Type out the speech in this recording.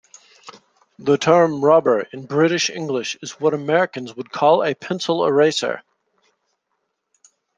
The term rubber in British English is what Americans would call a pencil eraser